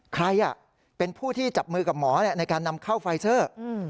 ใครเป็นผู้ที่จับมือกับหมอในการนำเข้าไฟเซอร์